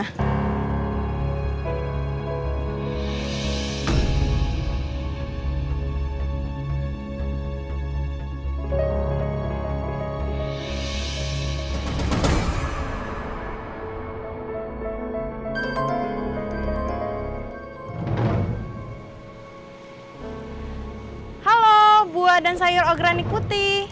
halo buah dan sayur ogranic putih